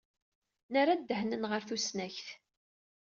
Nerra ddehn-nneɣ ɣer tusnakt.